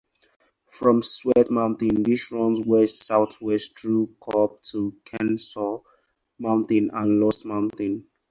From Sweat Mountain, this runs west-southwest through Cobb to Kennesaw Mountain and Lost Mountain.